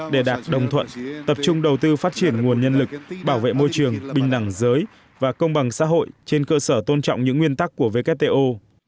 để đạt đồng thuận tập trung đầu tư phát triển nguồn nhân lực bảo vệ môi trường bình đẳng giới và công bằng xã hội trên cơ sở tôn trọng những nguyên tắc của wto